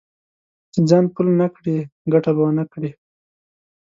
چې ځان پل نه کړې؛ ګټه به و نه کړې.